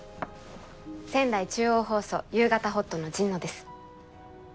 仙台中央放送「夕方ほっと」の神野です。